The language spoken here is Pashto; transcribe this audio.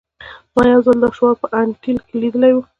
ما یو ځل دا شعار په انټیل کې لیدلی و